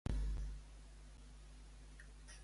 Què li diu un a Andreu?